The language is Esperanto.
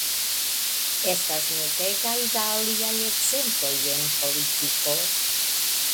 Estas multegaj da aliaj ekzemploj en politiko.